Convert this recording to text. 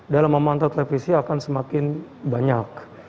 dalam memantau televisi akan semakin banyak